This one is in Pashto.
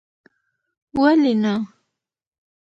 ولي نه